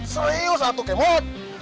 serius satu kemot